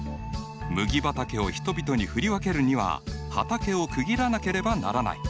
麦畑を人々に振り分けるには畑を区切らなければならない。